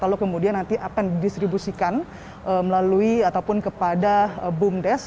lalu kemudian nanti akan didistribusikan melalui ataupun kepada bumdes